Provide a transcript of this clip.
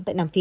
tại nam phi